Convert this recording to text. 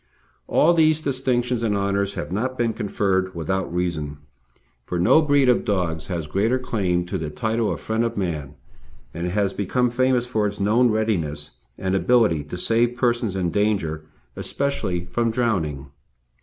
All these distinctions and honours have not been conferred without reason for no breed of dogs has greater claim to the title of friend of man, and it has become famous for its known readiness and ability to save persons in danger, especially from drowning.